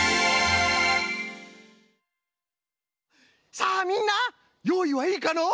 さあみんなよういはいいかの？